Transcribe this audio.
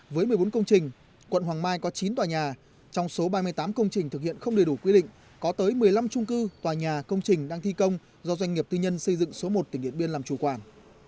với một mươi bốn công trình quận hoàng mai có chín tòa nhà trong số ba mươi tám công trình thực hiện không đầy đủ quy định có tới một mươi năm trung cư tòa nhà công trình đang thi công do doanh nghiệp tư nhân xây dựng số một tỉnh điện biên làm chủ quản